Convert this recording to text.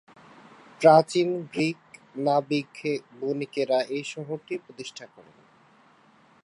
প্রাচীন যুগে গ্রিক নাবিক-বণিকেরা এই শহরটি প্রতিষ্ঠা করে।